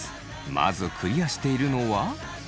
まずクリアしているのは。